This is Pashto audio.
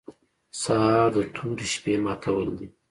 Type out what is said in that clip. سهار د تورې شپې ماتول دي.